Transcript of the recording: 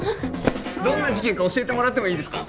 どんな事件か教えてもらってもいいですか？